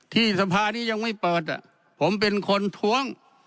สภานี้ยังไม่เปิดผมเป็นคนท้วง